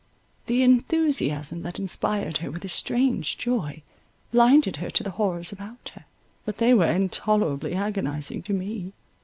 The enthusiasm that inspired her with this strange joy, blinded her to the horrors about her; but they were intolerably agonizing to me.